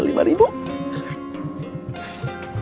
satu realnya lima